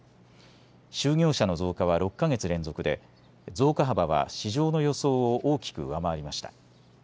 就業者の増加は、６か月連続で増加幅は市場の予想を大きく上回りました。